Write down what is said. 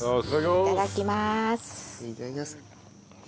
いただきます！